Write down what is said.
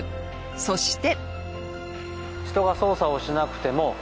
そして。